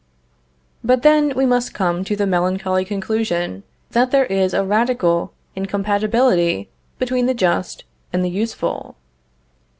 Thus then we must come to the melancholy conclusion, that there is a radical incompatibility between the Just and the Useful.